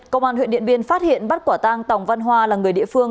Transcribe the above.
công an huyện điện biên phát hiện bắt quả tang tòng văn hoa là người địa phương